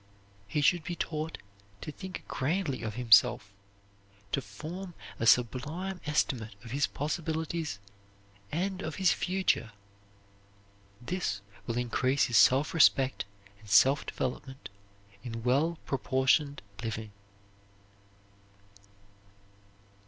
He should be taught to think grandly of himself, to form a sublime estimate of his possibilities and of his future. This will increase his self respect and self development in well proportioned living.